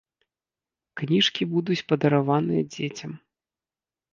Кніжкі будуць падараваныя дзецям.